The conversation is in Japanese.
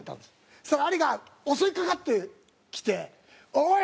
そしたらアリが襲い掛かってきておい！